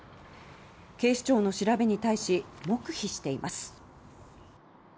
警視庁の調べに対し黙秘しています。